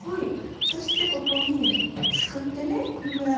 そしてここにすくってこのぐらい。